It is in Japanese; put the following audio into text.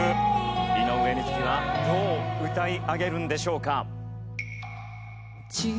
井上瑞稀はどう歌い上げるんでしょうか？